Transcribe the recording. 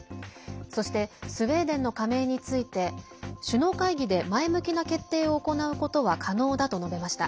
そしてスウェーデンの加盟について首脳会議で、前向きな決定を行うことは可能だと述べました。